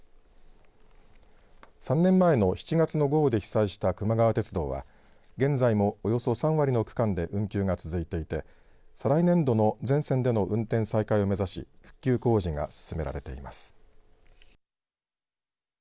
３年前の７月の豪雨で被災したくま川鉄道は現在もおよそ３割の区間で運休が続いていて再来年度の全線での運転再開を目指し復旧工事が進められています。